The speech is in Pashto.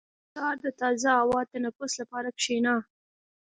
• د سهار د تازه هوا تنفس لپاره کښېنه.